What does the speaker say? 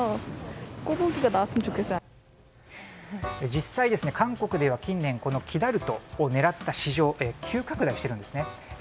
実際、韓国では近年このキダルトを狙った市場が急拡大しているんです。